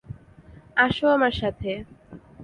আসো আমার সাথে!